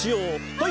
はい！